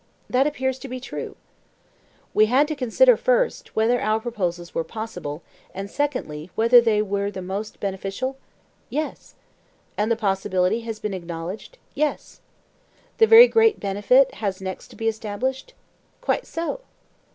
That appears to be true. We had to consider, first, whether our proposals were possible, and secondly whether they were the most beneficial? Yes. And the possibility has been acknowledged? Yes. The very great benefit has next to be established? Quite so.